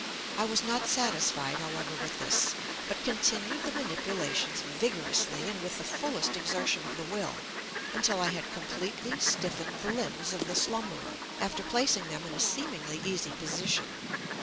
I was not satisfied, however, with this, but continued the manipulations vigorously, and with the fullest exertion of the will, until I had completely stiffened the limbs of the slumberer, after placing them in a seemingly easy position.